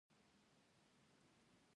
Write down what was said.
علم د ژوند مهارتونه وړاندې کوي.